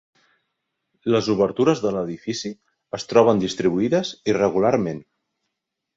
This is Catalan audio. Les obertures de l'edifici es troben distribuïdes irregularment.